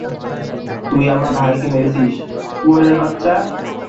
তুই আমার ভাইকে মেরেছিস, শুয়োরের বাচ্চা!